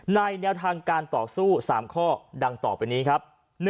แนวทางการต่อสู้๓ข้อดังต่อไปนี้ครับ